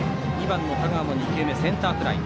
２番の田川も２球もセンターフライ。